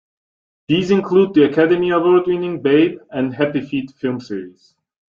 These include the Academy Award-winning "Babe" and "Happy Feet" film series.